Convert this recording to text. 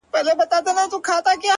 • پر امیر باندي هغه ګړی قیامت سو,